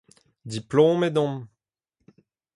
Diplomet on.